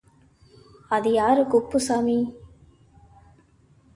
அது யாரு குப்புசாமி?